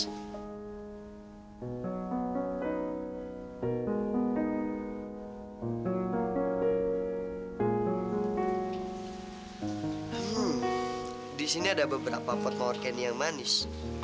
hmmmm disini ada beberapa pot mawar candy yang manis